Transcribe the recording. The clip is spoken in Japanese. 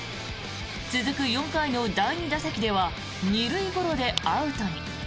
続く４回の第２打席では２塁ゴロでアウトに。